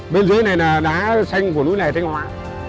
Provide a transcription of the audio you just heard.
bên dưới này là đá xanh của núi lè thanh hóa